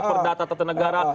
perdata tata negara